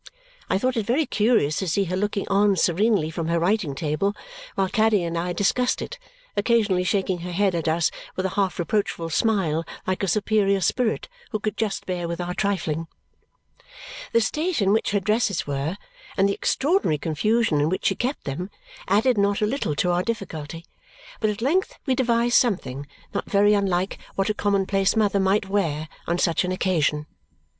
I thought it very curious to see her looking on serenely from her writing table while Caddy and I discussed it, occasionally shaking her head at us with a half reproachful smile like a superior spirit who could just bear with our trifling. The state in which her dresses were, and the extraordinary confusion in which she kept them, added not a little to our difficulty; but at length we devised something not very unlike what a common place mother might wear on such an occasion.